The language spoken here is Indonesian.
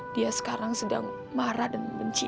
dia sekarang sedang marah dan benci